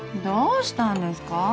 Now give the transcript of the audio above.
どうしたんですか？